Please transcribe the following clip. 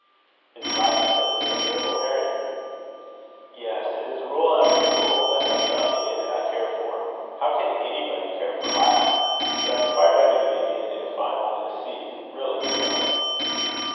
"Is Latin so disagreeable, Harry?" "Yes; it is rule after rule, that has nothing in it I care for. How can anybody care for Latin? But I am quite ready to begin, if I am only a seed really, you know."